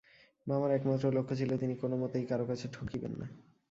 মামার একমাত্র লক্ষ্য ছিল, তিনি কোনোমতেই কারো কাছে ঠকিবেন না।